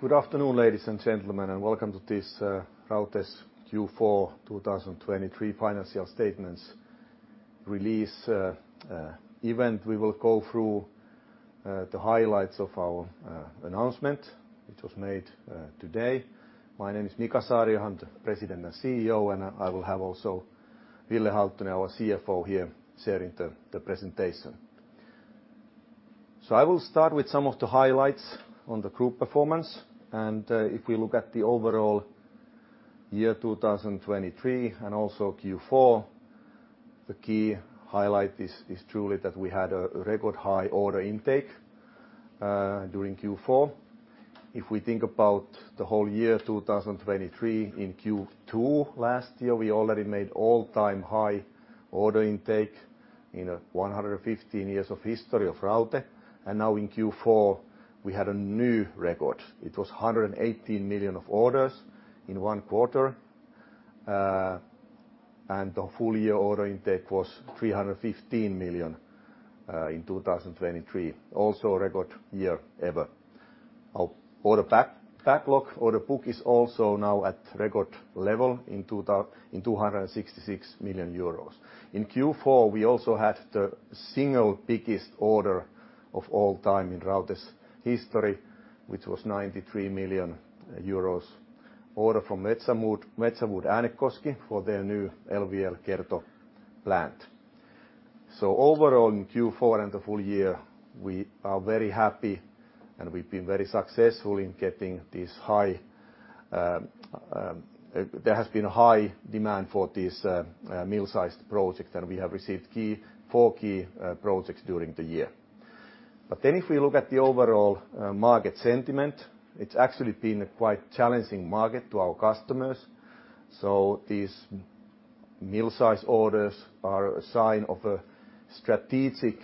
Good afternoon, ladies and gentlemen, and welcome to this Raute Q4 2023 Financial Statements release event. We will go through the highlights of our announcement, which was made today. My name is Mika Saariaho, the President and CEO, and I will have also Ville Halttunen, our CFO, here sharing the presentation. So I will start with some of the highlights on the group performance, and if we look at the overall year 2023 and also Q4, the key highlight is truly that we had a record high order intake during Q4. If we think about the whole year 2023, in Q2 last year we already made all-time high order intake in 115 years of history of Raute, and now in Q4 we had a new record. It was 118 million orders in one quarter, and the full-year order intake was 315 million in 2023, also a record year ever. Our order backlog, order book, is also now at record level in 266 million euros. In Q4 we also had the single biggest order of all time in Raute's history, which was 93 million euros, order from Metsä Wood Äänekoski for their new LVL Kerto plant. So overall in Q4 and the full year we are very happy, and we've been very successful in getting this high there has been a high demand for this mill-sized project, and we have received four key projects during the year. But then if we look at the overall market sentiment, it's actually been a quite challenging market to our customers, so these mill-sized orders are a sign of a strategic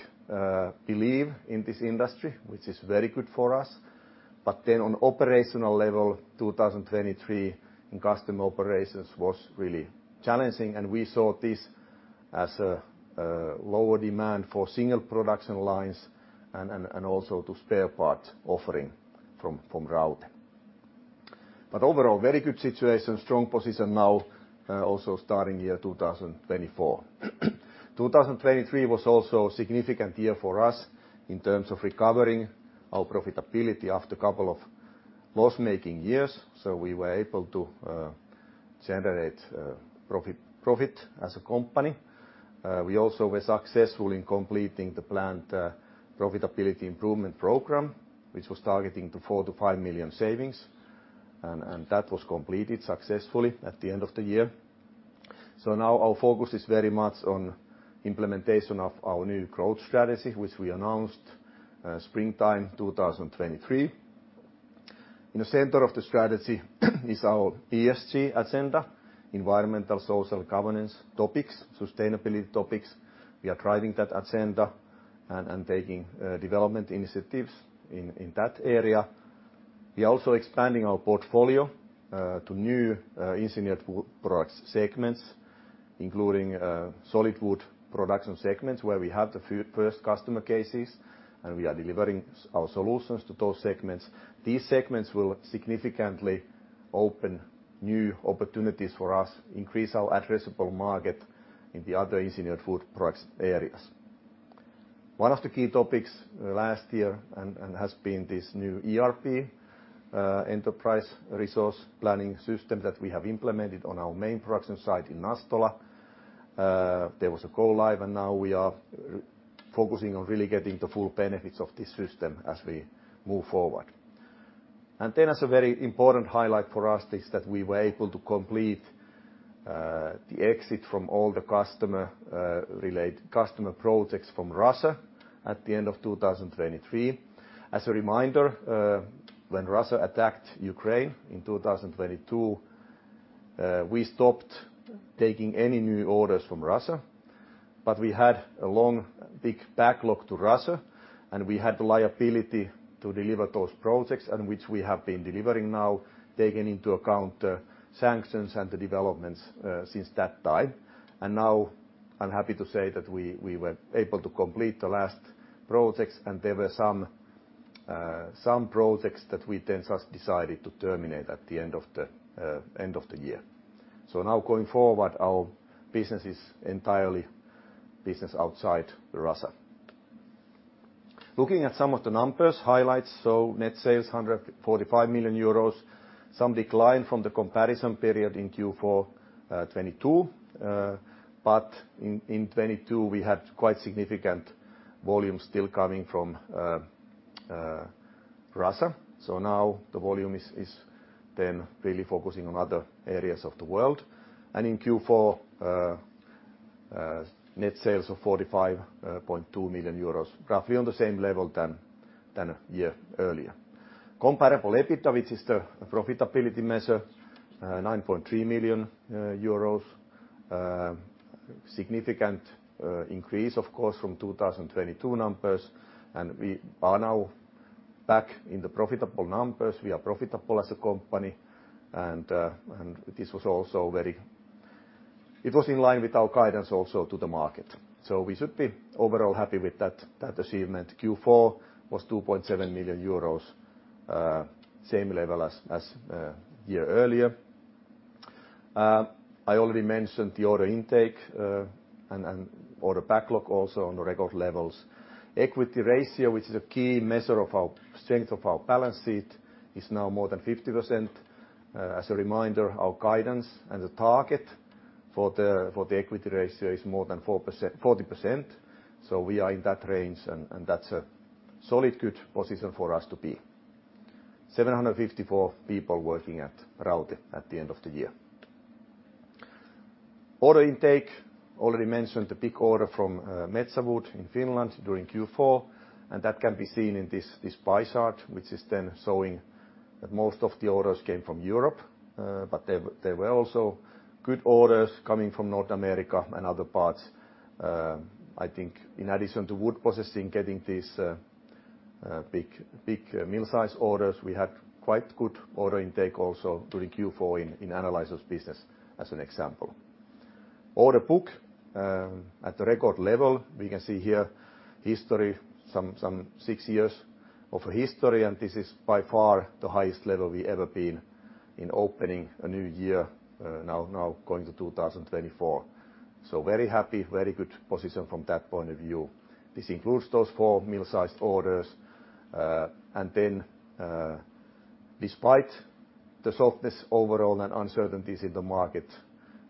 belief in this industry, which is very good for us. But then on operational level, 2023 in customer operations was really challenging, and we saw this as a lower demand for single production lines and also to spare parts offering from Raute. But overall, very good situation, strong position now, also starting year 2024. 2023 was also a significant year for us in terms of recovering our profitability after a couple of loss-making years, so we were able to generate profit as a company. We also were successful in completing the plant profitability improvement program, which was targeting the 4 million-5 million savings, and that was completed successfully at the end of the year. So now our focus is very much on implementation of our new growth strategy, which we announced springtime 2023. In the center of the strategy is our ESG agenda, environmental, social, governance topics, sustainability topics. We are driving that agenda and taking development initiatives in that area. We are also expanding our portfolio to new engineered wood products segments, including solid wood production segments where we have the first customer cases, and we are delivering our solutions to those segments. These segments will significantly open new opportunities for us, increase our addressable market in the other engineered wood products areas. One of the key topics last year has been this new ERP, Enterprise Resource Planning system, that we have implemented on our main production site in Nastola. There was a go-live, and now we are focusing on really getting the full benefits of this system as we move forward. And then as a very important highlight for us is that we were able to complete the exit from all the customer-related customer projects from Russia at the end of 2023. As a reminder, when Russia attacked Ukraine in 2022, we stopped taking any new orders from Russia, but we had a long, big backlog to Russia, and we had the liability to deliver those projects, which we have been delivering now, taking into account the sanctions and the developments since that time. And now I'm happy to say that we were able to complete the last projects, and there were some projects that we then just decided to terminate at the end of the year. So now going forward, our business is entirely business outside Russia. Looking at some of the numbers, highlights, so net sales 145 million euros, some decline from the comparison period in Q4 2022, but in 2022 we had quite significant volume still coming from Russia. So now the volume is then really focusing on other areas of the world. In Q4, net sales of 45.2 million euros, roughly on the same level than a year earlier. Comparable EBITDA, which is the profitability measure, 9.3 million euros, significant increase, of course, from 2022 numbers, and we are now back in the profitable numbers. We are profitable as a company, and this was also very it was in line with our guidance also to the market. So we should be overall happy with that achievement. Q4 was 2.7 million euros, same level as a year earlier. I already mentioned the order intake and order backlog also on the record levels. Equity ratio, which is a key measure of our strength of our balance sheet, is now more than 50%. As a reminder, our guidance and the target for the equity ratio is more than 40%, so we are in that range, and that's a solid good position for us to be. 754 people working at Raute at the end of the year. Order intake, already mentioned the big order from Metsä Wood in Finland during Q4, and that can be seen in this pie chart, which is then showing that most of the orders came from Europe, but there were also good orders coming from North America and other parts. I think in addition to wood processing, getting these big mill-sized orders, we had quite good order intake also during Q4 in analyzers business, as an example. Order book at the record level, we can see here history, some six years of history, and this is by far the highest level we ever been in opening a new year, now going to 2024. So very happy, very good position from that point of view. This includes those four mill-sized orders, and then despite the softness overall and uncertainties in the market,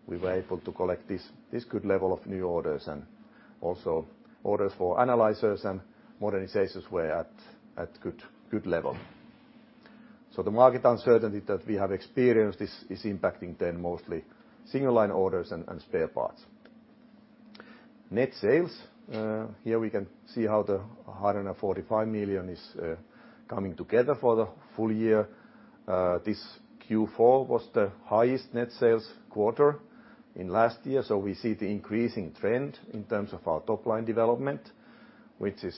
we were able to collect this good level of new orders, and also orders for analyzers and modernizations were at good level. So the market uncertainty that we have experienced is impacting then mostly single line orders and spare parts. Net sales, here we can see how the 145 million is coming together for the full year. This Q4 was the highest net sales quarter in last year, so we see the increasing trend in terms of our top line development, which is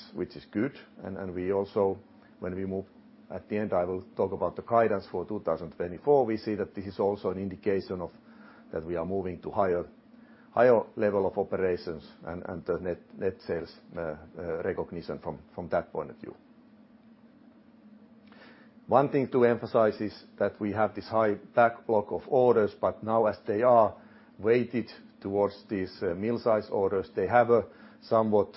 good. And we also, when we move at the end, I will talk about the guidance for 2024, we see that this is also an indication of that we are moving to higher level of operations and the net sales recognition from that point of view. One thing to emphasize is that we have this high backlog of orders, but now as they are weighted towards these mill-sized orders, they have a somewhat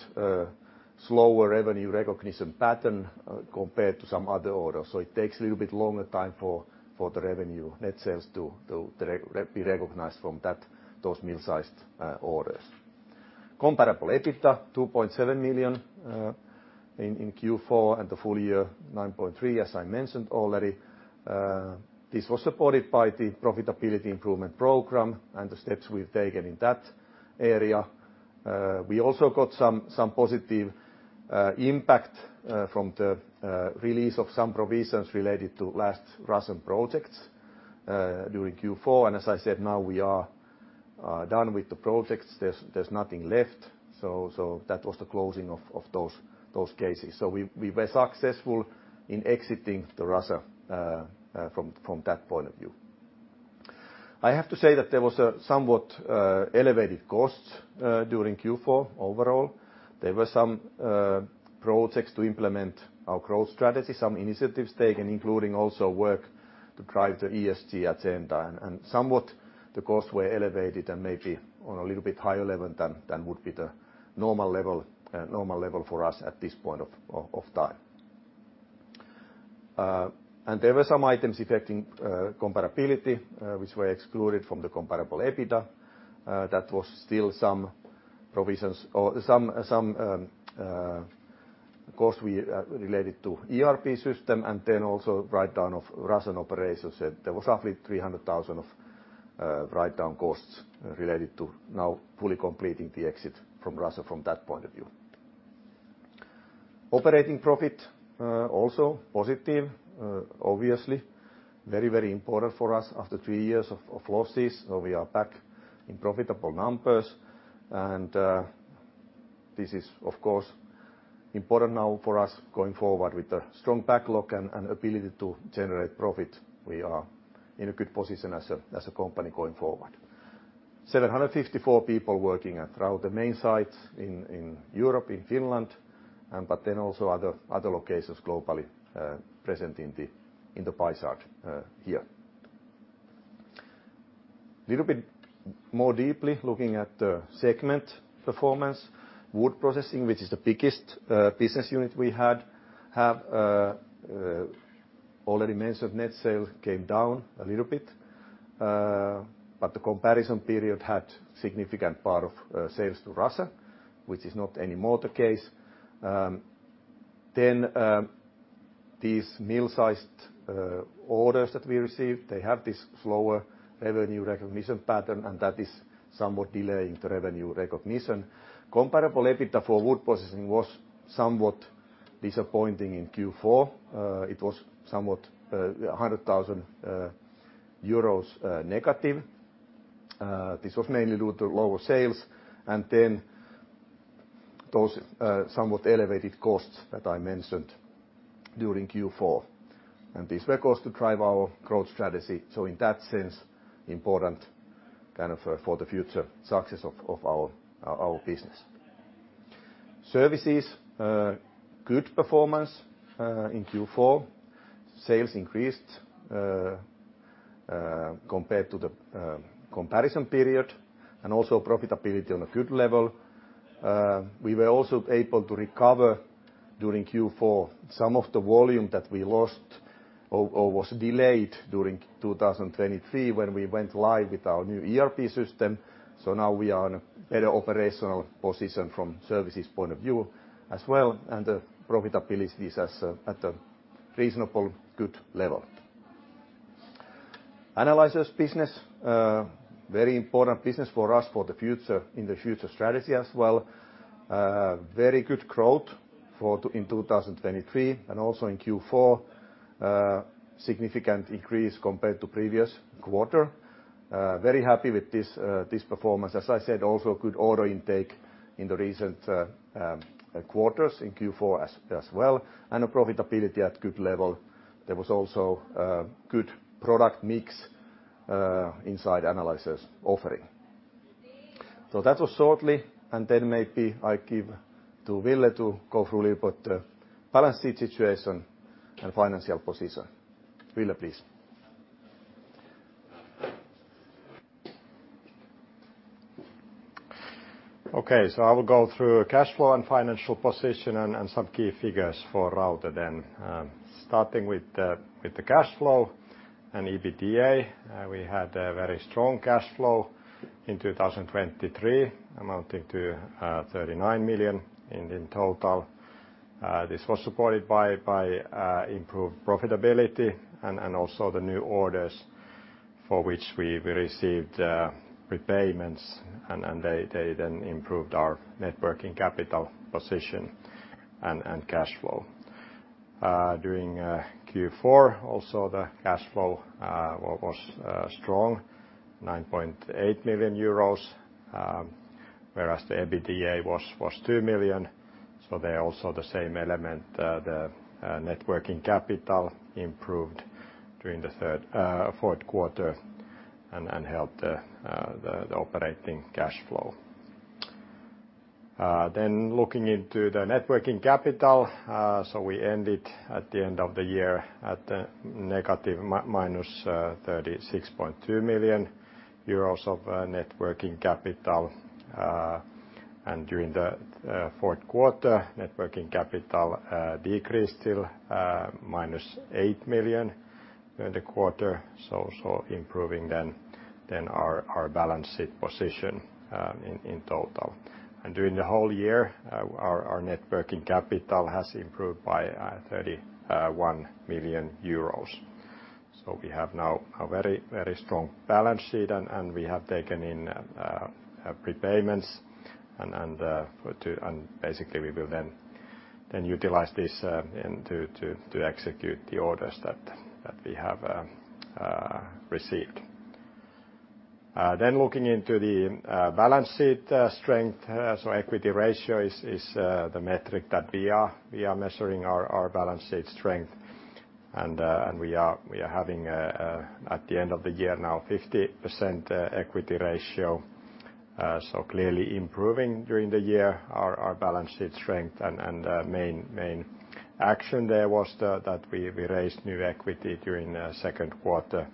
slower revenue recognition pattern compared to some other orders, so it takes a little bit longer time for the revenue net sales to be recognized from those mill-sized orders. Comparable EBITDA, 2.7 million in Q4 and the full year, 9.3 million, as I mentioned already. This was supported by the profitability improvement program and the steps we've taken in that area. We also got some positive impact from the release of some provisions related to last Russian projects during Q4, and as I said, now we are done with the projects. There's nothing left, so that was the closing of those cases. So we were successful in exiting Russia from that point of view. I have to say that there were somewhat elevated costs during Q4 overall. There were some projects to implement our growth strategy, some initiatives taken, including also work to drive the ESG agenda, and somewhat the costs were elevated and maybe on a little bit higher level than would be the normal level for us at this point of time. And there were some items affecting comparability, which were excluded from the comparable EBITDA. That was still some provisions, some costs related to ERP system, and then also write-down of Russian operations. There were roughly 300,000 write-down costs related to now fully completing the exit from Russia from that point of view. Operating profit also positive, obviously, very, very important for us after three years of losses, so we are back in profitable numbers. This is, of course, important now for us going forward with the strong backlog and ability to generate profit. We are in a good position as a company going forward. 754 people working throughout the main sites in Europe, in Finland, but then also other locations globally present in the pie chart here. A little bit more deeply looking at the segment performance, wood processing, which is the biggest business unit we had, already mentioned net sales came down a little bit, but the comparison period had a significant part of sales to Russia, which is not anymore the case. Then these mill-sized orders that we received, they have this slower revenue recognition pattern, and that is somewhat delaying the revenue recognition. Comparable EBITDA for wood processing was somewhat disappointing in Q4. It was somewhat -100,000 euros. This was mainly due to lower sales and then those somewhat elevated costs that I mentioned during Q4. And these were costs to drive our growth strategy, so in that sense, important kind of for the future success of our business. Services, good performance in Q4. Sales increased compared to the comparison period and also profitability on a good level. We were also able to recover during Q4 some of the volume that we lost or was delayed during 2023 when we went live with our new ERP system, so now we are in a better operational position from services point of view as well, and the profitability is at a reasonable good level. Analyzers business, very important business for us for the future in the future strategy as well. Very good growth in 2023 and also in Q4, significant increase compared to previous quarter. Very happy with this performance. As I said, also good order intake in the recent quarters in Q4 as well and a profitability at good level. There was also a good product mix inside analyzers offering. So that was shortly, and then maybe I give to Ville to go through a little bit the balance sheet situation and financial position. Ville, please. Okay, so I will go through cash flow and financial position and some key figures for Raute then. Starting with the cash flow and EBITDA, we had a very strong cash flow in 2023 amounting to 39 million in total. This was supported by improved profitability and also the new orders for which we received repayments, and they then improved our working capital position and cash flow. During Q4, also the cash flow was strong, 9.8 million euros, whereas the EBITDA was 2 million, so there are also the same element, the working capital improved during the third and fourth quarter and helped the operating cash flow. Then looking into the net working capital, so we ended at the end of the year at minus 36.2 million euros of net working capital, and during the fourth quarter, net working capital decreased till minus 8 million during the quarter, so improving then our balance sheet position in total. During the whole year, our net working capital has improved by 31 million euros. So we have now a very, very strong balance sheet, and we have taken in repayments, and basically we will then utilize this to execute the orders that we have received. Then looking into the balance sheet strength, so equity ratio is the metric that we are measuring our balance sheet strength, and we are having at the end of the year now 50% equity ratio, so clearly improving during the year our balance sheet strength. The main action there was that we raised new equity during the second quarter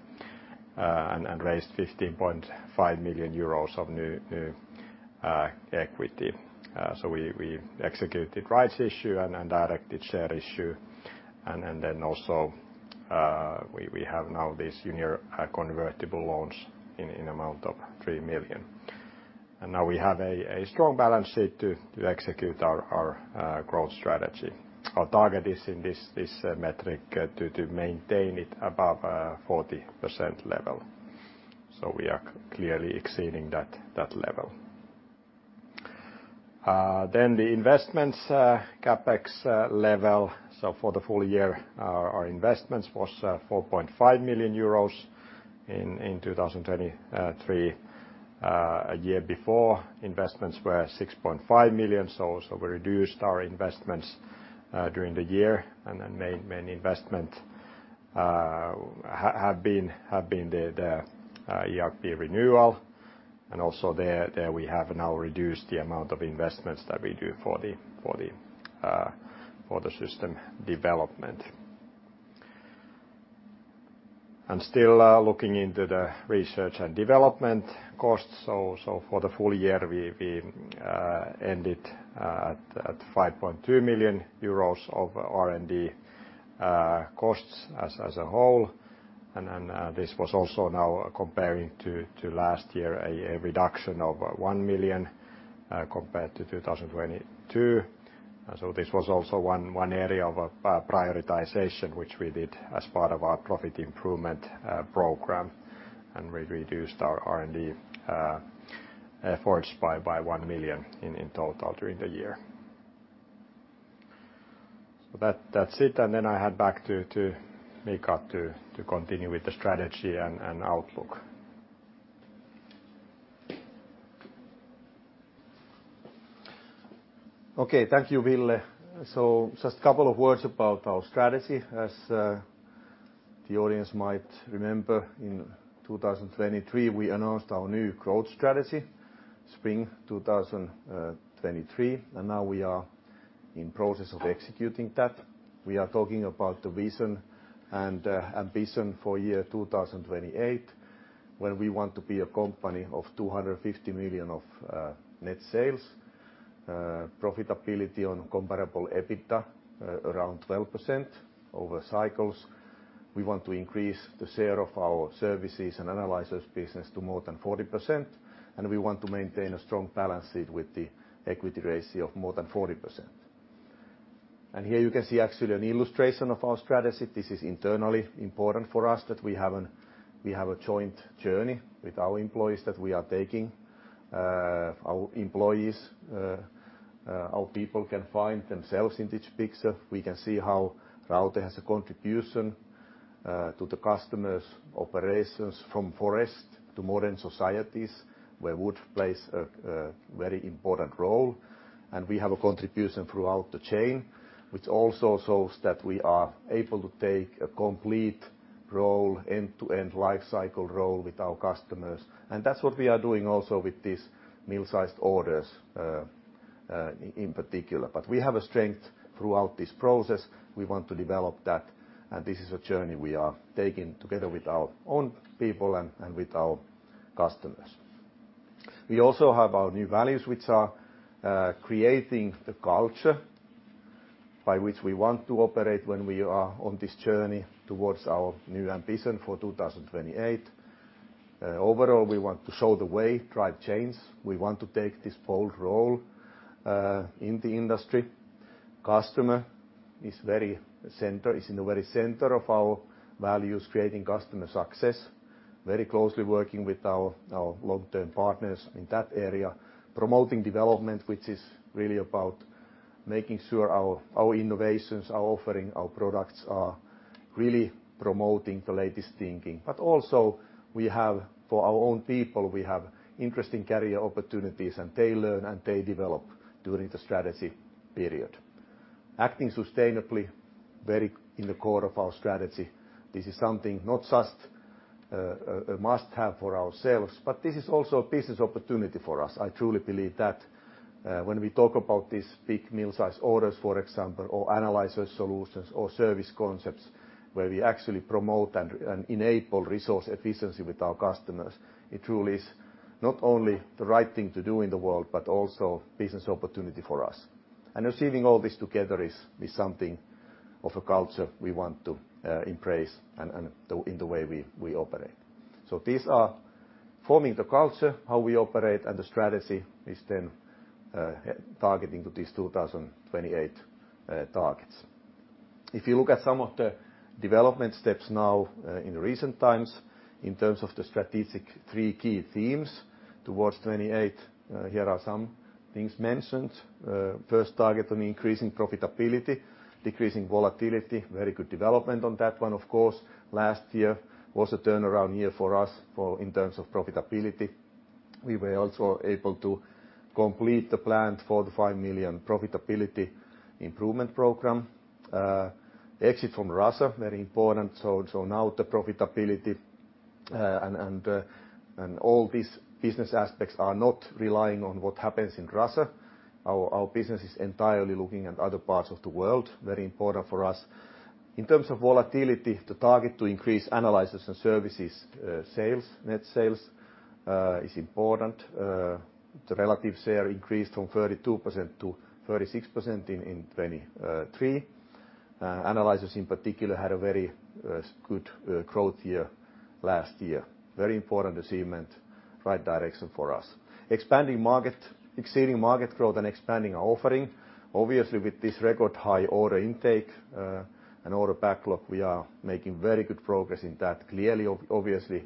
and raised 15.5 million euros of new equity. We executed rights issue and directed share issue, and then also we have now these junior convertible loans in the amount of 3 million. Now we have a strong balance sheet to execute our growth strategy. Our target is in this metric to maintain it above 40% level, so we are clearly exceeding that level. The investments CapEx level, so for the full year, our investments were 4.5 million euros in 2023. A year before, investments were 6.5 million, so we reduced our investments during the year, and then main investment have been the ERP renewal, and also there we have now reduced the amount of investments that we do for the system development. Still looking into the research and development costs, so for the full year, we ended at 5.2 million euros of R&D costs as a whole, and this was also now comparing to last year, a reduction of 1 million compared to 2022. So this was also one area of prioritization which we did as part of our profit improvement program, and we reduced our R&D efforts by 1 million in total during the year. So that's it, and then I hand back to Mika to continue with the strategy and outlook. Okay, thank you, Ville. Just a couple of words about our strategy. As the audience might remember, in 2023, we announced our new growth strategy, Spring 2023, and now we are in the process of executing that. We are talking about the vision and ambition for year 2028, when we want to be a company of 250 million net sales, profitability on comparable EBITDA around 12% over cycles. We want to increase the share of our services and analyzers business to more than 40%, and we want to maintain a strong balance sheet with the equity ratio of more than 40%. Here you can see actually an illustration of our strategy. This is internally important for us that we have a joint journey with our employees that we are taking. Our employees, our people can find themselves in this picture. We can see how Raute has a contribution to the customers' operations from forest to modern societies, where wood plays a very important role, and we have a contribution throughout the chain, which also shows that we are able to take a complete role, end-to-end lifecycle role with our customers. That's what we are doing also with these mill-sized orders in particular. We have a strength throughout this process. We want to develop that, and this is a journey we are taking together with our own people and with our customers. We also have our new values, which are creating the culture by which we want to operate when we are on this journey towards our new ambition for 2028. Overall, we want to show the way, drive change. We want to take this bold role in the industry. Customer is very center, is in the very center of our values, creating customer success, very closely working with our long-term partners in that area, promoting development, which is really about making sure our innovations, our offering, our products are really promoting the latest thinking. But also we have, for our own people, we have interesting career opportunities, and they learn and they develop during the strategy period. Acting sustainably, very in the core of our strategy. This is something not just a must-have for ourselves, but this is also a business opportunity for us. I truly believe that when we talk about these big mill-sized orders, for example, or analyzer solutions or service concepts where we actually promote and enable resource efficiency with our customers, it truly is not only the right thing to do in the world, but also a business opportunity for us. Receiving all this together is something of a culture we want to embrace in the way we operate. These are forming the culture, how we operate, and the strategy is then targeting to these 2028 targets. If you look at some of the development steps now in the recent times in terms of the strategic three key themes towards 2028, here are some things mentioned. First target on increasing profitability, decreasing volatility, very good development on that one, of course. Last year was a turnaround year for us in terms of profitability. We were also able to complete the planned 45 million profitability improvement program. Exit from Russia, very important. Now the profitability and all these business aspects are not relying on what happens in Russia. Our business is entirely looking at other parts of the world, very important for us. In terms of volatility, the target to increase analyzers and services sales, net sales, is important. The relative share increased from 32%-36% in 2023. Analyzers in particular had a very good growth year last year. Very important achievement, right direction for us. Expanding market, exceeding market growth, and expanding our offering. Obviously, with this record high order intake and order backlog, we are making very good progress in that, clearly, obviously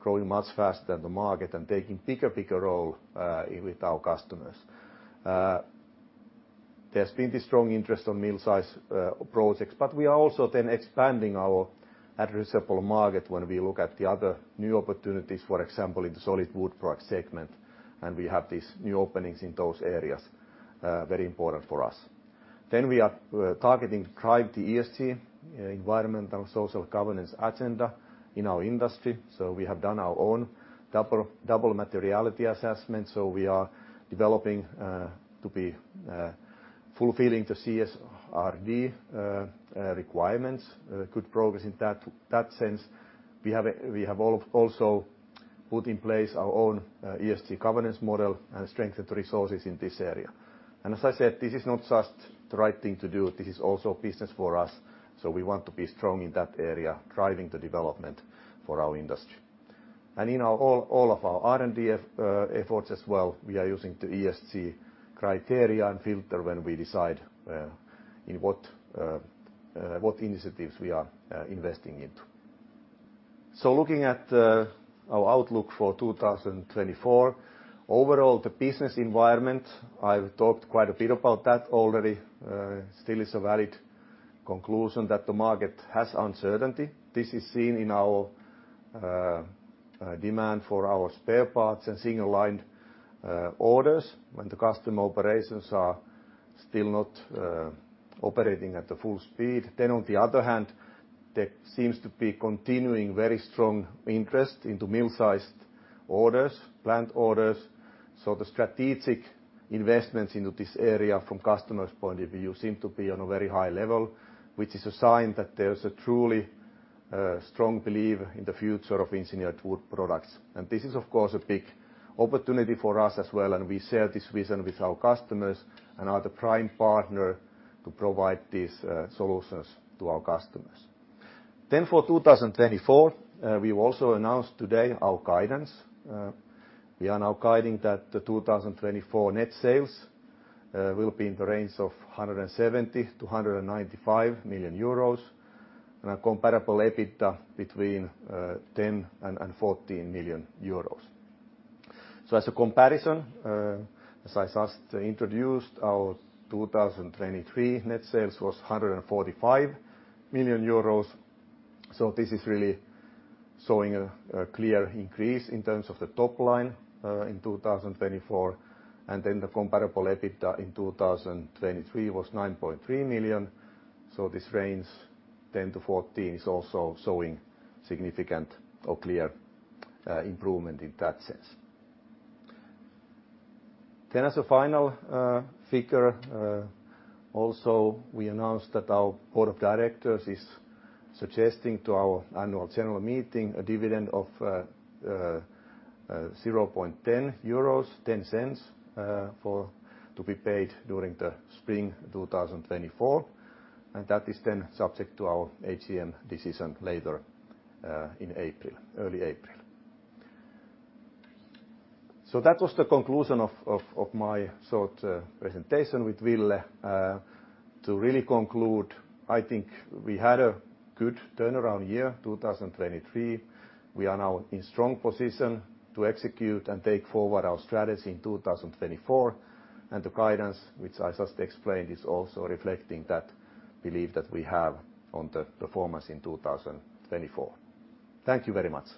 growing much faster than the market and taking a bigger, bigger role with our customers. There has been this strong interest on mill-scale projects, but we are also then expanding our addressable market when we look at the other new opportunities, for example, in the solid wood product segment, and we have these new openings in those areas, very important for us. Then we are targeting to drive the ESG, environmental social governance agenda in our industry. So we have done our own double materiality assessment, so we are developing to be fulfilling the CSRD requirements, good progress in that sense. We have also put in place our own ESG governance model and strengthened resources in this area. And as I said, this is not just the right thing to do. This is also business for us, so we want to be strong in that area, driving the development for our industry. And in all of our R&D efforts as well, we are using the ESG criteria and filter when we decide in what initiatives we are investing into. So looking at our outlook for 2024, overall, the business environment, I've talked quite a bit about that already, still is a valid conclusion that the market has uncertainty. This is seen in our demand for our spare parts and single-line orders when the customer operations are still not operating at the full speed. Then, on the other hand, there seems to be continuing very strong interest into mill-sized orders, plant orders. So the strategic investments into this area from a customer's point of view seem to be on a very high level, which is a sign that there is a truly strong belief in the future of engineered wood products. And this is, of course, a big opportunity for us as well, and we share this vision with our customers and are the prime partner to provide these solutions to our customers. Then, for 2024, we also announced today our guidance. We are now guiding that the 2024 net sales will be in the range of 170 million-195 million euros and a comparable EBITDA between 10 million-14 million euros. So as a comparison, as I just introduced, our 2023 net sales were 145 million euros. So this is really showing a clear increase in terms of the top line in 2024. And then the comparable EBITDA in 2023 was 9.3 million. So this range 10 to 14 is also showing significant or clear improvement in that sense. Then, as a final figure, also, we announced that our board of directors is suggesting to our annual general meeting a dividend of 0.10 euros, 10 cents, to be paid during the spring 2024. And that is then subject to our AGM decision later in April, early April. So that was the conclusion of my short presentation with Ville to really conclude. I think we had a good turnaround year, 2023. We are now in a strong position to execute and take forward our strategy in 2024. The guidance, which I just explained, is also reflecting that belief that we have on the performance in 2024. Thank you very much.